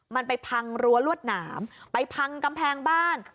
มันไปพังรั้วลวดหนามไปพังกำแพงบ้าน